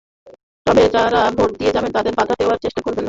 তবে যাঁরা ভোট দিতে যাবেন, তাঁদের বাধা দেবার চেষ্টা করবেন না।